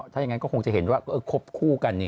ถ้าอย่างนั้นก็คงจะเห็นว่าก็คบคู่กัน